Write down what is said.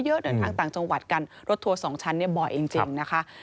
เดินทางต่างจังหวัดกันรถทัวร์สองชั้นเนี่ยบ่อยจริงนะคะ